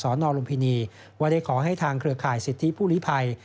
นลุมพินีว่าได้ขอให้ทางเครือข่ายสิทธิผู้ลิภัย